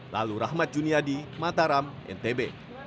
lalu rahmat juniadi mataram ntb